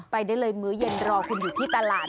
ไปได้เลยมื้อเย็นรอคุณอยู่ที่ตลาด